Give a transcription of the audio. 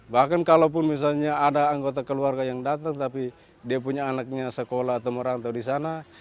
bahkan kalaupun misalnya ada anggota keluarga yang datang tapi dia punya anaknya sekolah atau merantau di sana